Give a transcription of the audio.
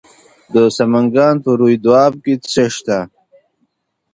د سمنګان په روی دو اب کې څه شی شته؟